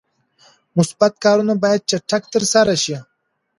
مثبت کارونه باید چټک ترسره شي.